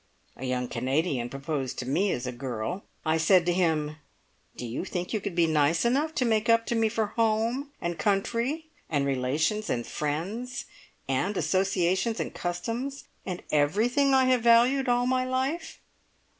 A young Canadian proposed to me as a girl. I said to him, `Do you think you could be nice enough to make up to me for home, and country, and relations and friends, and associations and customs, and everything I have valued all my life?'